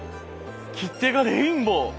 切手がレインボー！